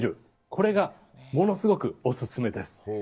これが、ものすごくオススメです。